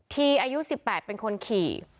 อายุ๑๘เป็นคนขี่